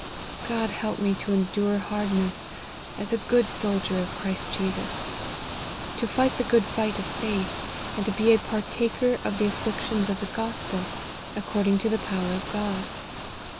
God help me to endure hardness, as a good soldier of Christ Jesus ; to fight the good fight of faith ; and to be a partaker of the afflictions of the Gospel, according to the power of God.